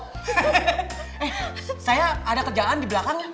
eh saya ada kerjaan di belakang ya